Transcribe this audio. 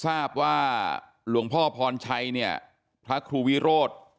ทราบว่าหลวงพ่อพรชัยเนี่ยพระครูวิโรธ